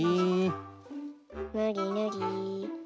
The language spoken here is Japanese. ぬりぬり。